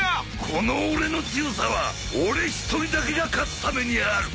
この俺の強さは俺一人だけが勝つためにある！